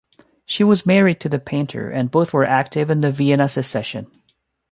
She was married to the painter and both were active in the Vienna Secession.